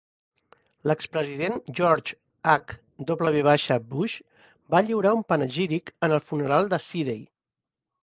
L'expresident George H. W. Bush va lliurar un panegíric en el funeral de Sidey.